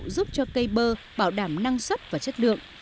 giúp cho cây bơ bảo đảm năng suất và chất lượng